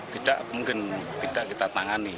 tidak mungkin tidak kita tangani